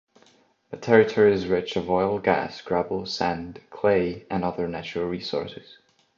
The territory is rich of oil, gas, gravel, sand, clay and other natural resources.